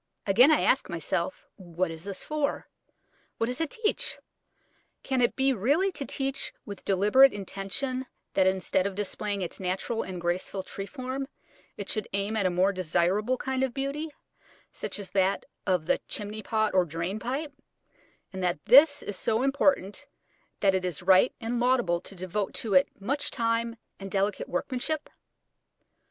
Again I ask myself, What is this for? What does it teach? Can it be really to teach with deliberate intention that instead of displaying its natural and graceful tree form it should aim at a more desirable kind of beauty, such as that of the chimney pot or drain pipe, and that this is so important that it is right and laudable to devote to it much time and delicate workmanship?